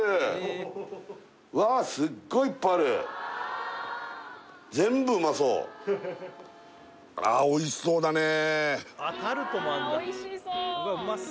わあスッゴイいっぱいある全部うまそうおいしそうだね